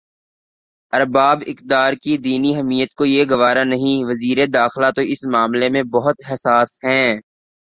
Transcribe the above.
ارباب اقتدارکی دینی حمیت کو یہ گوارا نہیں وزیر داخلہ تو اس معاملے میں بہت حساس ہیں۔